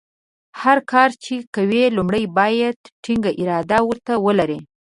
هر کار چې کوې لومړۍ باید ټینګه اراده ورته ولرې.